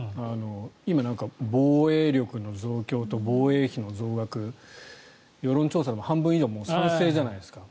今、防衛力の増強と防衛費の増額世論調査でも半分以上が賛成じゃないですか。